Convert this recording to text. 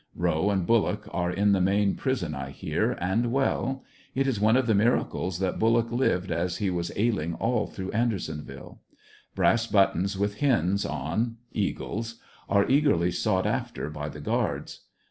Rowe and Bullock are in the main prison I hear, and well ; it is one of the miracles that Bullock lived as he was ailing all through Andersonville. Brass buttons with hens on (eagles) are eagerly sought after by the guards.